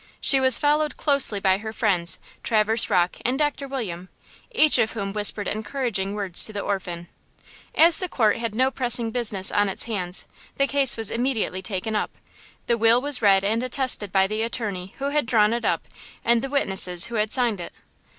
She was followed closely by her friends, Traverse Rocke and Doctor Williams, each of whom whispered encouraging words to the orphan. As the court had no pressing business on its hands, the case was immediately taken up, the will was read and attested by the attorney who had drawn it up and the witnesses who had signed it.